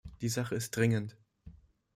Die Sache ist dringend!